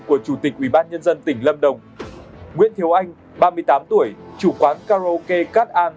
của chủ tịch ubnd tỉnh lâm đồng nguyễn thiếu anh ba mươi tám tuổi chủ quán karaoke cát an